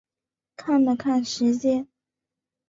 看了看时间